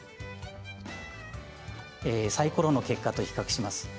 サイコロの結果と比較します。